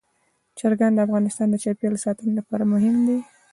چرګان د افغانستان د چاپیریال ساتنې لپاره مهم دي.